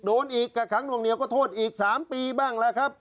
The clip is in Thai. โดนอีกกับขังนวงเหนียวก็โทษอีก๓ปีบ้างแล้วครับ